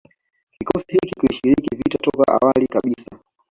Kikosi hiki kilishiriki vita toka awali kabisa